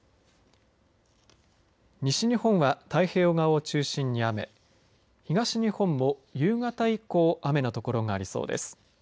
西日本は太平洋側を中心に雨東日本も夕方以降雨の所がありそうです。